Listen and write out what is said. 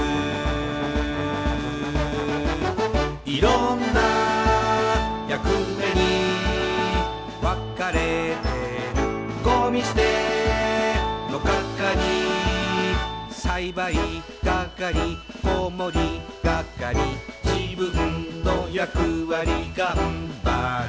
「いろんな役目にわかれてる」「ごみすてのかかり」「栽培がかり子守りがかり」「じぶんのやくわりがんばる」